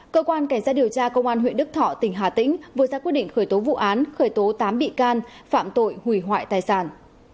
cơ quan cảnh sát điều tra công an huyện đức thọ tỉnh hà tĩnh vừa ra quyết định khởi tố vụ án khởi tố tám bị can phạm tội hủy hoại tài sản